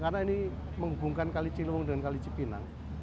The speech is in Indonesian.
karena ini menghubungkan kali cirimung dengan kali cipinang